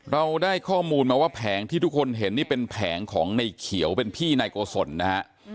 เราได้ข้อมูลมาว่าแผงที่ทุกคนเห็นนี่เป็นแผงของในเขียวเป็นพี่นายโกศลนะฮะ